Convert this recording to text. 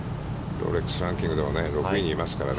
ロレックス・ランキングでも、６位にいますからね。